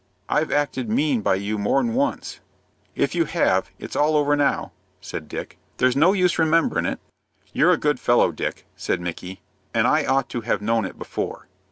"I've acted mean by you more'n once." "If you have, it's all over now," said Dick. "There's no use in remembering it." "You're a good fellow, Dick," said Micky, "an' I ought to have known it before."